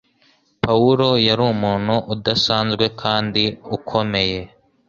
Pawulo yari umuntu udasanzwe kandi ukomeye